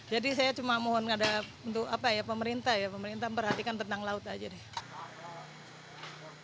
jadi saya cuma mohon ngadap untuk pemerintah ya pemerintah perhatikan tentang laut aja deh